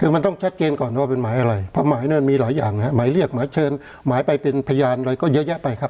คือมันต้องแชทเจนก่อนว่าเป็นหมายอะไรหมายมีหลายอย่างหมายเรียกหมายเชิร์นหมายเป็นพิยานแล้วกันก็เยอะแยะไปครับ